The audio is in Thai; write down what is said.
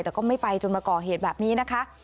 แต่ก็ไม่ไปจนมาก่อเหตุแบบนี้นะคะ